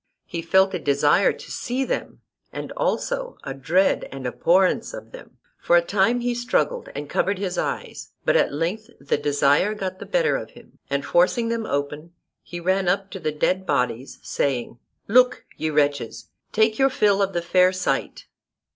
He felt a desire to see them, and also a dread and abhorrence of them; for a time he struggled and covered his eyes, but at length the desire got the better of him; and forcing them open, he ran up to the dead bodies, saying, Look, ye wretches, take your fill of the fair sight.